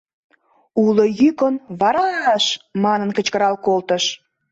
уло йӱкын «Вараш!» манын кычкырал колтыш.